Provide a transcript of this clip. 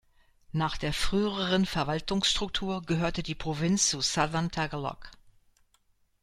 Nach der früheren Verwaltungsstruktur gehörte die Provinz zu Southern Tagalog.